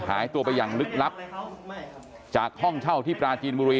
หายตัวไปอย่างลึกลับจากห้องเช่าที่ปราจีนบุรี